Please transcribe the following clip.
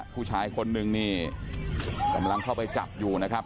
ผู้ชายคนนึงนี่กำลังเข้าไปจับอยู่นะครับ